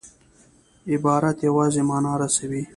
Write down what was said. عبارت یوازي مانا رسوي.